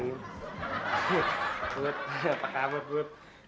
bud apa kabar bud